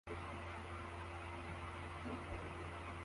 umukino mugihe umugabo inyuma yabo agenda abasanga